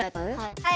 はい！